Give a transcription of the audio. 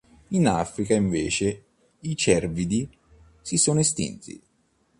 In Africa invece i cervidi si sono estinti.